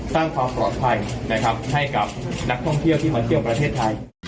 สร้างความปลอดภัยนะครับให้กับนักท่องเที่ยวที่มาเที่ยวประเทศไทย